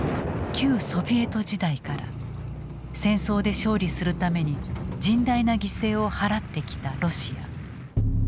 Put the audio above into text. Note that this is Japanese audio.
旧ソビエト時代から戦争で勝利するために甚大な犠牲を払ってきたロシア。